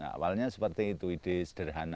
awalnya seperti itu ide sederhana